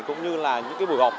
cũng như là những cái buổi họp